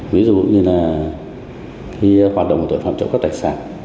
ví dụ như là khi hoạt động tội phạm trộm cắp tài sản